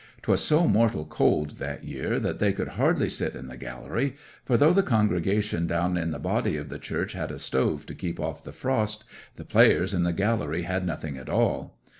'Twas so mortal cold that year that they could hardly sit in the gallery; for though the congregation down in the body of the church had a stove to keep off the frost, the players in the gallery had nothing at all.